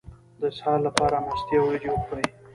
د اسهال لپاره مستې او وریجې وخورئ